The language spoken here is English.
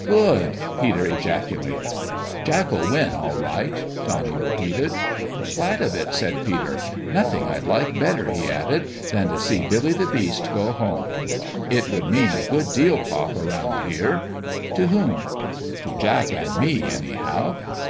" Good !" Peter ejaculated. "Jack'll win, all right," Donnie repeated. " Glad of it !" said Peter. " Nothing I'd like better," he added, " than to see Billy the Beast go home." "It would mean a good deal, pop, around here." "To whom?' 1 "To Jack and me, anyhow.